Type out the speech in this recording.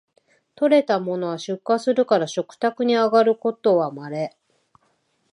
採れたものは出荷するから食卓にあがることはまれ